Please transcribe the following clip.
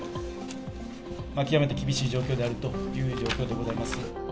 極めて厳しい状況であるという状況でございます。